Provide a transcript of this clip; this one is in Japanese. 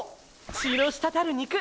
血のしたたる肉。